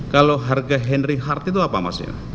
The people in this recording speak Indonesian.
kalau harga henry hard itu apa mas ya